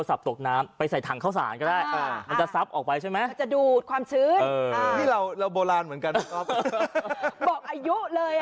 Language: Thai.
เราโบราณเหมือนกันครับบอกอายุเลย